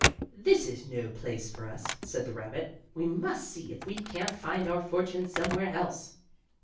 "This is no place for us," said the rabbit. "We must see if we can't find our fortune somewhere else."